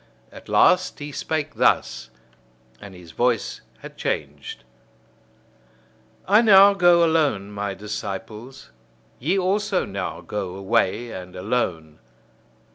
At last he spake thus and his voice had changed: I now go alone, my disciples! Ye also now go away, and alone!